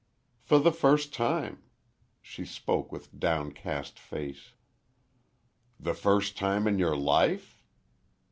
"For the first time," she spoke with downcast face. "The first time in your life?"